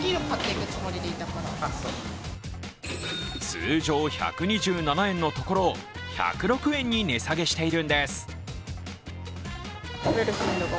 通常１２７円のところを１０６円に値下げしているんです。